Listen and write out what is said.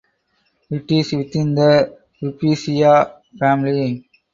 It is within the Rubiaceae family.